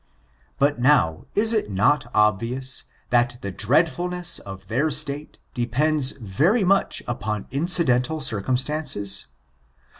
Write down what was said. But, noW) is it not obvious, that the dreadfulness of their state depends very much upon incidental circum stances